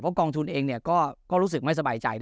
กองทุนเองก็รู้สึกไม่สบายใจ